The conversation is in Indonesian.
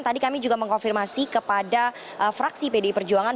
tadi kami juga mengkonfirmasi kepada fraksi pdi perjuangan